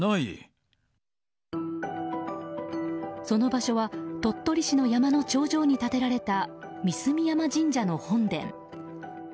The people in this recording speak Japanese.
その場所は鳥取市の山の頂上に建てられた三角山神社の本殿。